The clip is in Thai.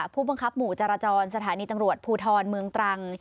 ผู้บังคับหมู่จรจรสถานีตำรวจภูทรเมืองตรัง